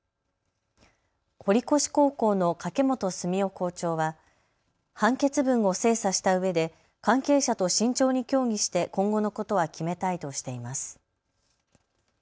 堀越高校の掛本寿雄校長は判決文を精査したうえで関係者と慎重に協議して今後のことは決めたいとしています。